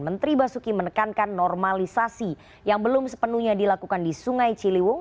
menteri basuki menekankan normalisasi yang belum sepenuhnya dilakukan di sungai ciliwung